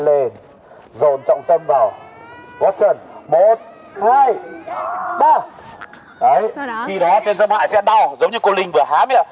chạy dồn trọng tâm vào góc chân một hai ba khi đó trên xâm hại sẽ đau giống như cô linh vừa hám